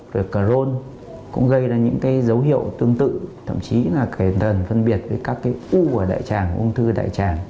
rồi cơ rôn cũng gây ra những dấu hiệu tương tự thậm chí là kê đơn phân biệt với các u của đại tràng ung thư đại tràng